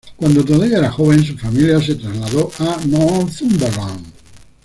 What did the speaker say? Cuando todavía era joven, su familia se trasladó a en Northumberland.